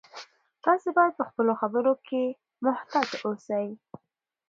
تاسي باید په خپلو خبرو کې محتاط اوسئ.